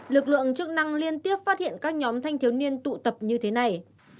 lực lượng chức năng liên tiếp phát hiện các nhóm thanh thiếu niên tụ tập như thế này